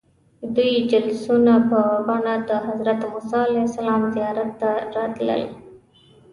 دوی جلوسونه په بڼه د حضرت موسى علیه السلام زیارت ته راتلل.